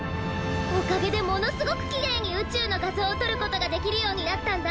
おかげでものすごくきれいにうちゅうのがぞうをとることができるようになったんだ！